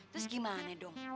terus gimana dong